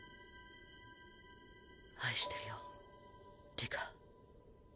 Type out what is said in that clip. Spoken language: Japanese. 愛してるよ里香。